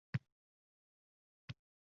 — Ura-a-a! — deya xitob etdi.